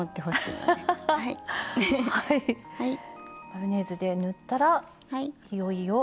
マヨネーズで塗ったらいよいよ。